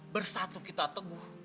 bersatu kita teguh